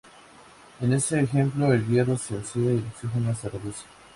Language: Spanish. En ese ejemplo, el hierro se oxida y el oxígeno se reduce.